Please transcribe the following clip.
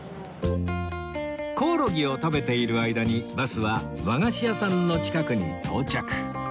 コオロギを食べている間にバスは和菓子屋さんの近くに到着